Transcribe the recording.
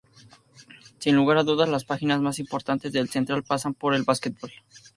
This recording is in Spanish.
Sin lugar a dudas las páginas más importantes de Central pasan por el básquetbol.